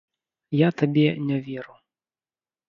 Я табе не веру.